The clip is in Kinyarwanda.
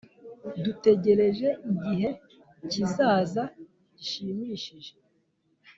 Dutegereje igihe kizaza gishimishije